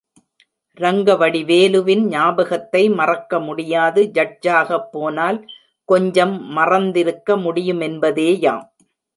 ரங்கவடிவேலுவின் ஞாபகத்தை மறக்க முடியாது ஜட்ஜாகப் போனால், கொஞ்சம் மறந்திருக்க முடியுமென்பதேயாம்.